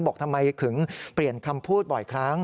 บอกทำไมถึงเปลี่ยนคำพูดบ่อยครั้ง